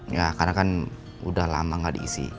ya karena kan udah lama nggak diisi